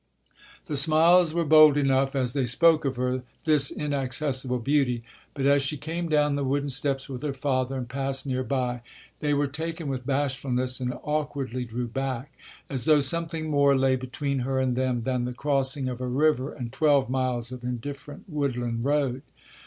The smiles were bold enough as they spoke of her, this inaccessible beauty; but as she came down the wooden steps with her father and passed near by, they were taken with bashfulness and awkwardly drew back, as though something more lay between her and them than the crossing of a river and twelve miles of indifferent woodland road.